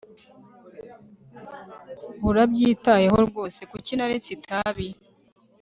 Urabyitayeho rwose kuki naretse itabi